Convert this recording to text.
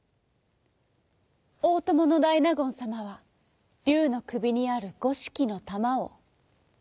おおとものだいなごんさまはりゅうのくびにあるごしきのたまを。